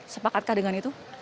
sepakatkah dengan itu